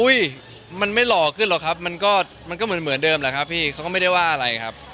มันไม่หล่อขึ้นหรอกครับมันก็มันก็เหมือนเดิมแหละครับพี่เขาก็ไม่ได้ว่าอะไรครับ